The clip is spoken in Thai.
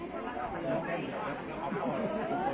จะมาให้แบบว่ามันพาแสสเตอร์